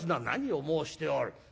「何を申しておる。